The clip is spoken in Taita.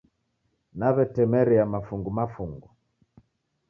Naw'etemeria mafungu mafungu